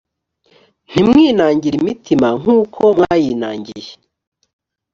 ntimwinangire imitima nk uko mwayinangiye